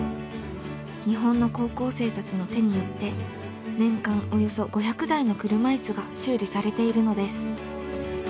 日本の高校生たちの手によって年間およそ５００台の車いすが修理されているのです。